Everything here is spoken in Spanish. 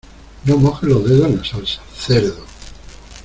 No mojes los dedos en la salsa, ¡cerdo!